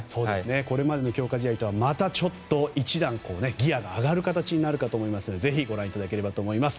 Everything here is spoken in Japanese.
これまでの強化試合とはまたちょっと一段ギアが上がる形になるかと思いますのでご覧いただきたいと思います。